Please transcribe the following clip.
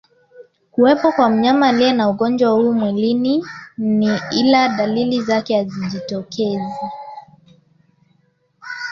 Kuwepo kwa mnyama aliye na ugonjwa huu mwilini ila dalili zake hazijitokezi